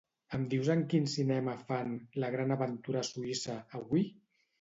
Em dius en quin cinema fan "La gran aventura suïssa" avui?